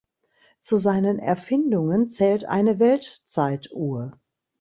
Zu seinen Erfindungen zählt eine Weltzeituhr.